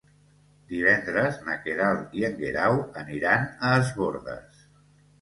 Divendres na Queralt i en Guerau aniran a Es Bòrdes.